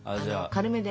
軽めで。